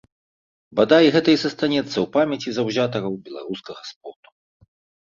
Бадай, гэта і застанецца ў памяці заўзятараў беларускага спорту.